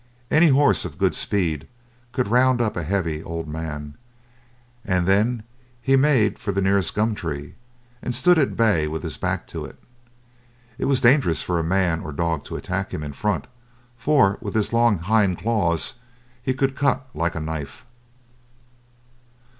Any horse of good speed could round up a heavy old man, and then he made for the nearest gum tree, and stood at bay with his back to it. It was dangerous for man or dog to attack him in front, for with his long hind claws he could cut like a knife.